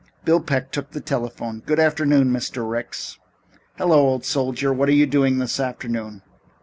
Bill Peck took the telephone. "Good afternoon, Mr. Ricks." "Hello, old soldier. What are you doing this afternoon?"